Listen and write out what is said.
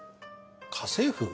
家政婦？